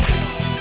saya yang menang